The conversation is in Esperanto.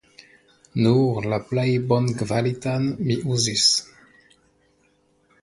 Nur la plej bonkvalitan mi uzis.